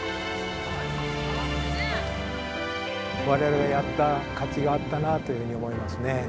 我々がやった価値があったなというふうに思いますね